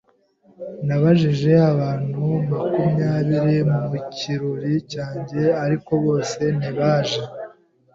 Nabajije abantu makumyabiri mu kirori cyanjye ariko bose ntibaje.